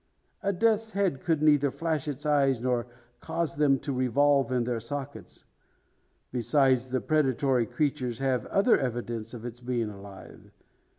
A Death's head could neither flash its eyes, nor cause them to revolve in their sockets. Besides, the predatory creatures have other evidence of its being alive.